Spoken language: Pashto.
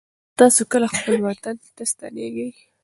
تاسې کله خپل وطن ته ستنېږئ؟